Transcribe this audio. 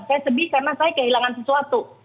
saya sedih karena saya kehilangan sesuatu